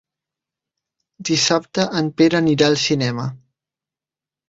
Dissabte en Pere anirà al cinema.